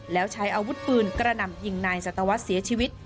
แล้วใช้อาวุธปืนกระหน่ำยิงนายสัตวรรษเสียชีวิต